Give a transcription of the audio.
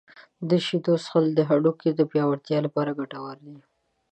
• د شیدو څښل د هډوکو د پیاوړتیا لپاره ګټور دي.